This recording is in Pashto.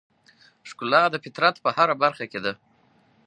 ښکلا د فطرت په هره برخه کې ده.